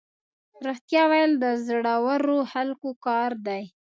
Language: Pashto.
رښتیا ویل د زړورو خلکو کار دی.